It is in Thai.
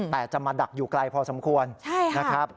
แต่จะมาดักอยู่ไกลพอสมควรนะครับ